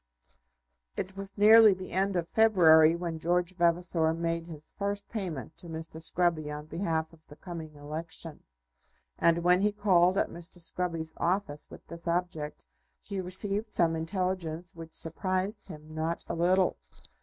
It was nearly the end of February when George Vavasor made his first payment to Mr. Scruby on behalf of the coming election; and when he called at Mr. Scruby's office with this object, he received some intelligence which surprised him not a little.